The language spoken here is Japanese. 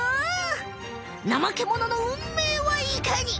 ナマケモノのうんめいはいかに！